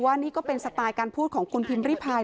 นี่ก็เป็นสไตล์การพูดของคุณพิมพ์ริพาย